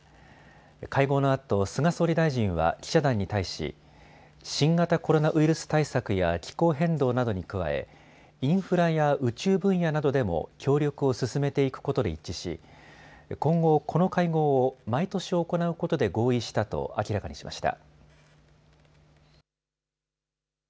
会合のあと菅総理大臣は記者団に対し新型コロナウイルス対策や気候変動などに加えインフラや宇宙分野などでも協力を進めていくことで一致し今後、この会合を毎年行うことで合意したと明らかにしました。